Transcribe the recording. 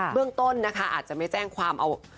เรื่องต้นนะคะอาจจะไม่แจ้งความเอา